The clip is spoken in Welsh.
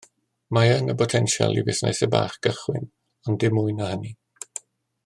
Mae yna botensial i fusnesau bach gychwyn ond dim mwy na hynny